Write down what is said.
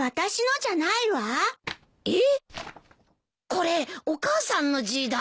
これお母さんの字だ。